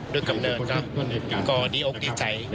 ด้วยกำเนินครับก็ดีอกดีใจ